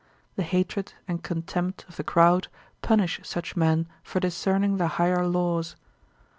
The hatred and contempt of the crowd punish such men for discerning the higher laws.